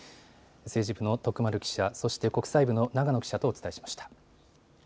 政治部の徳丸記者そして国際部の長野記者とお伝えしました。